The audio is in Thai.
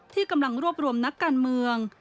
ที่กำลังรวบรวมนักการเมือง